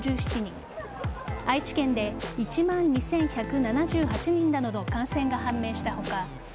愛知県で１万２１７８人などの感染が判明した他